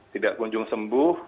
tidak kunjung sembuh